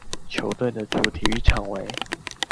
球队的主体育场为。